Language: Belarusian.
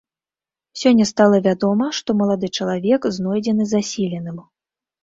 Сёння стала вядома, што малады чалавек знойдзены засіленым.